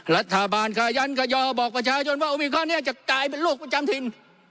รัฐบาลขยันขยอบอกประชาชนว่าโอมิคอนนี้จะกลายเป็นโรคประจำถิ่น